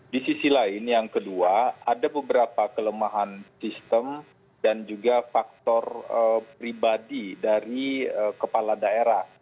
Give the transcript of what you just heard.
di sisi lain yang kedua ada beberapa kelemahan sistem dan juga faktor pribadi dari kepala daerah